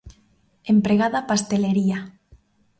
Empregada pastelería.